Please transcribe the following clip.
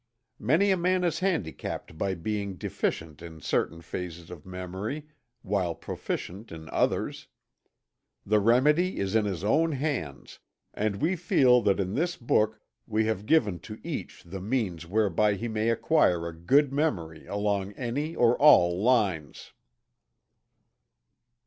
Many a man is handicapped by being deficient in certain phases of memory, while proficient in others. The remedy is in his own hands, and we feel that in this book we have given to each the means whereby he may acquire a "good" memory along any or all lines.